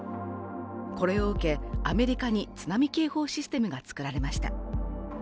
これを受け、アメリカに津波警報システムが作られました。